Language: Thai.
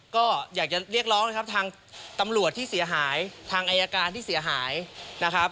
ก็อยากจะเรียกร้องนะครับทางตำรวจที่เสียหายทางอายการที่เสียหายนะครับ